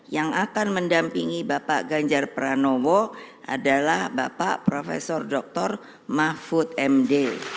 yang akan mendampingi bapak ganjar pranowo adalah bapak prof dr mahfud md